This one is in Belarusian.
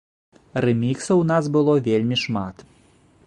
Рэміксаў у нас было вельмі шмат.